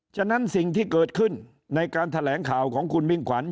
ฉะนั้นสิ่งที่เกิดขึ้นในการแถลงข่าวของคุณมิ่งขวัญ